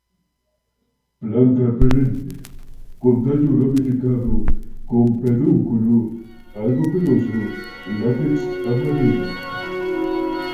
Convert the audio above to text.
Planta perenne, con tallo ramificado con pedúnculo algo peloso; látex amarillo.